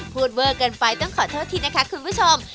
พูดเว่อกันไปต้องขอโทษทีนะคะคุณผู้ชม